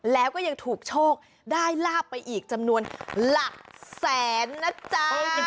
แล้วก็ยังถูกโชคได้ลาบไปอีกจำนวนหลักแสนนะจ๊ะ